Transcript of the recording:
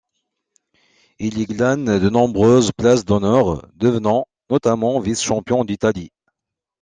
Il y glane de nombreuses places d'honneur, devenant notamment vice-champion d'Italie.